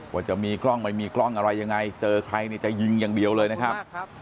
ว่าจะมีกล้องไม่มีกล้องอะไรยังไงเจอใครเนี่ยจะยิงอย่างเดียวเลยนะครับ